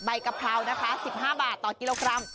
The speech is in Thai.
กะเพรานะคะ๑๕บาทต่อกิโลกรัม